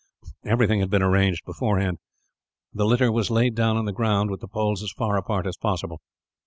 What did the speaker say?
Everything had been arranged beforehand. The litter was laid down on the ground, with the poles as far apart as possible.